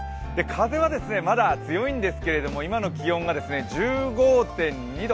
風はまだ強いんですけれども、今の気温が１５．２度。